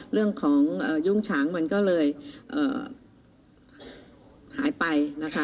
เรื่องของยุ่งฉางมันก็เลยหายไปนะคะ